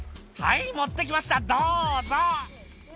「はい持って来ましたどうぞ」